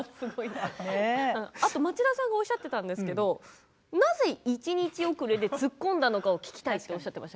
町田さんがおっしゃっていましたがなぜ一日遅れでツッコんだのかを聞きたいとおっしゃってました。